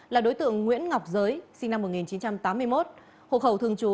là đối tượng nguyễn ngọc giới sinh năm một nghìn chín trăm tám mươi một hồ hậu thường chú